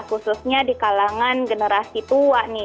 khususnya di kalangan generasi tua nih